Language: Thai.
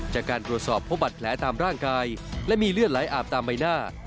จากการตรวจสอบพบบัตรแผลตามร่างกายและมีเลือดไหลอาบตามใบหน้า